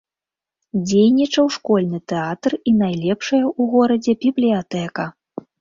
Дзейнічаў школьны тэатр і найлепшая ў горадзе бібліятэка.